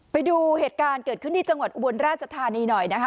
ไปดูเหตุการณ์เกิดขึ้นที่จังหวัดอุบลราชธานีหน่อยนะคะ